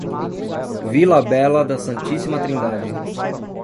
Vila Bela da Santíssima Trindade